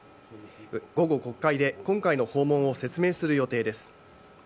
午後、国会で今回の訪問を説明する予定です。